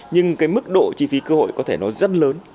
nhưng cái mức độ chi phí cơ hội có thể nó rất lớn